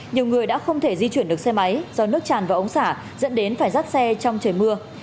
nhiều người đã không thể di chuyển được xe máy do nước tràn vào ống xả dẫn đến phải dắt xe trong trời mưa